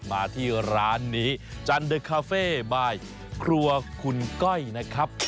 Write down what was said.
มาที่ร้านนี้จันเดอร์คาเฟ่บายครัวคุณก้อยนะครับ